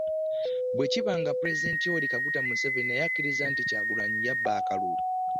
Bwe kiba nga Pulezidenti Yoweri Kaguta Museveni naye akkiriza nti Kyagulanyi yabba akalulu